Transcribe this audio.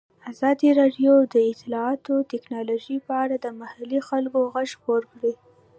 ازادي راډیو د اطلاعاتی تکنالوژي په اړه د محلي خلکو غږ خپور کړی.